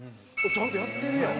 ちゃんとやってるやん。